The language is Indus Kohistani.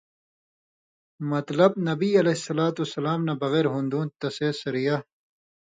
(مطلب نبی علیہ الصلوة والسلام نہ بغیر ہُوندُوں تسے سریہ